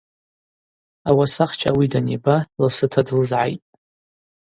Ауасахча ауи даниба, ласыта длызгӏайтӏ.